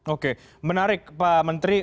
oke menarik pak menteri